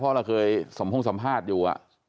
เพราะเราเคยสัมพงสัมภาษณ์อยู่